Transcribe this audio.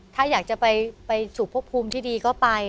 ถ้าอยากจะไปสู่พบภูมิที่ดีก็ไป